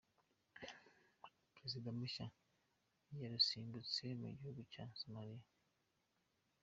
Perezida mushya yarusimbutse Mugihugu Cya Somaliya